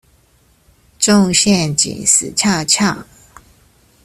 中陷阱死翹翹